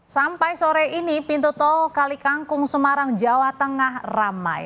sampai sore ini pintu tol kali kangkung semarang jawa tengah ramai